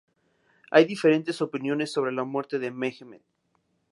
Hay diferentes opiniones sobre la muerte de Mehmed.